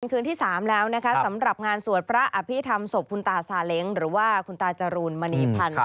คืนที่๓แล้วนะคะสำหรับงานสวดพระอภิษฐรรมศพคุณตาซาเล้งหรือว่าคุณตาจรูนมณีพันธ์